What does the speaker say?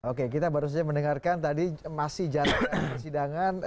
oke kita baru saja mendengarkan tadi masih jalan persidangan